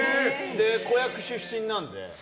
子役出身なので。